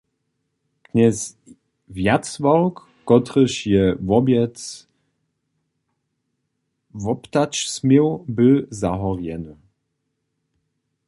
Knjez Wjacławk, kotryž je wobjed woptać směł, bě zahorjeny.